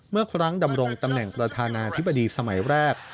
เมื่อครั้งดำรงตำแหน่งประธานาธิบดีสมัยแรก